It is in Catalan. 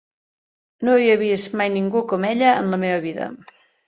No havia vist mai ningú com ella en la meva vida.